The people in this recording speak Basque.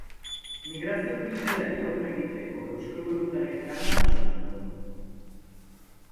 Migrazio krisiari aurre egiteko euskal boluntarioen lana jasotzen du.